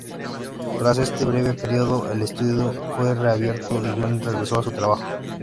Tras este breve periodo, el estudio fue reabierto y Jones regresó a su trabajo.